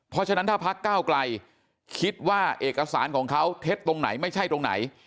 เพราะฉะนั้นถ้าพักก้าวไกลคิดว่าเอกสารของเขาเท็จตรงไหนไม่ใช่ตรงไหน